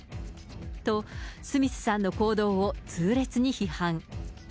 と、スミスさんの行動を痛烈に批判。